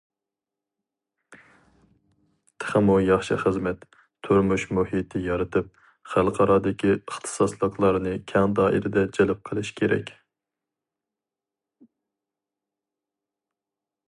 تېخىمۇ ياخشى خىزمەت، تۇرمۇش مۇھىتى يارىتىپ، خەلقئارادىكى ئىختىساسلىقلارنى كەڭ دائىرىدە جەلپ قىلىش كېرەك.